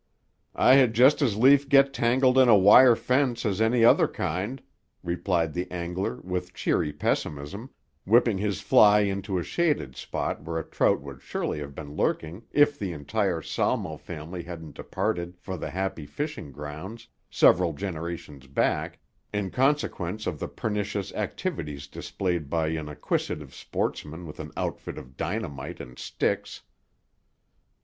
"I had just as lief get tangled in a wire fence as any other kind," replied the angler with cheery pessimism, whipping his fly into a shaded spot where a trout would surely have been lurking if the entire salmo family hadn't departed for the Happy Fishing Grounds, several generations back, in consequence of the pernicious activities displayed by an acquisitive sportsman with an outfit of dynamite in sticks.